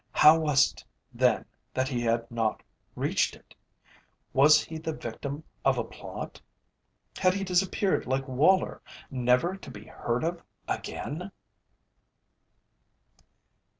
How was it, then, that he had not reached it? Was he the victim of a plot? Had he disappeared like Woller, never to be heard of again?